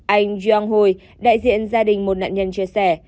anh jiang hui đại diện gia đình một nạn nhân chia sẻ